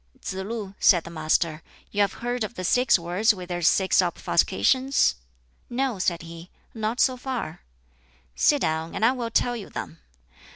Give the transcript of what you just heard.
"Tsz lu," said the Master, "you have heard of the six words with their six obfuscations?" "No," said he, "not so far." "Sit down, and I will tell you them.